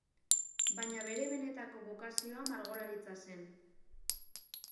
Baina bere benetako bokazioa margolaritza zen.